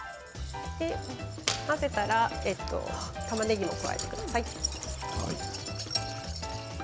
混ぜたら、たまねぎを加えてください。